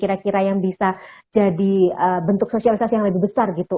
kira kira yang bisa jadi bentuk sosialisasi yang lebih besar gitu